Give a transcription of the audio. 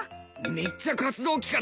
めっちゃ活動期間